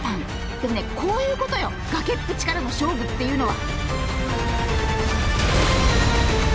でもねこういうことよ崖っぷちからの勝負っていうのは！